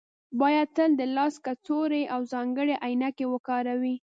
باید تل د لاس کڅوړې او ځانګړې عینکې وکاروئ